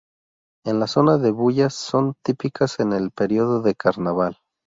En la zona de Bullas son típicas en el periodo de Carnaval.